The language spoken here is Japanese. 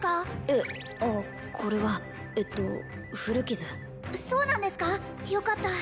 えっああこれはえっと古傷そうなんですかよかった